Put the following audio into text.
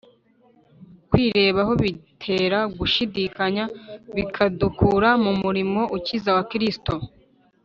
Kwirebaho bitera gushidikanya bikadukura mu murimo ukiza wa Kristo.